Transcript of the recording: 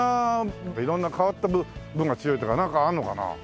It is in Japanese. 色んな変わった部が強いとかなんかあるのかな？